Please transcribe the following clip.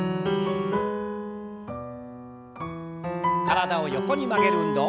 体を横に曲げる運動。